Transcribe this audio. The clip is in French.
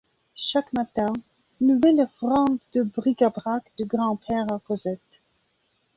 Chaque matin, nouvelle offrande de bric-à-brac du grand-père à Cosette.